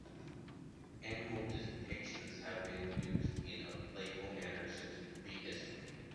Animal depictions have been used in a playful manner since prehistory.